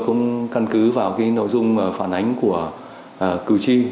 chúng tôi cũng căn cứ vào cái nội dung phản ánh của cử tri